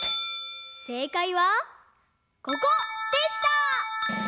せいかいはここでした！